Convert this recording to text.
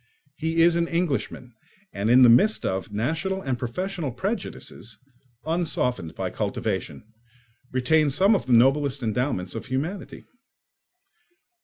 He is an Englishman, and in the midst of national and professional prejudices, unsoftened by cultivation, retains some of the noblest endowments of humanity.